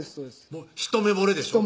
もう一目ぼれでしょ？